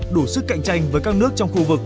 đủ sức cạnh tranh với các nước trong khu vực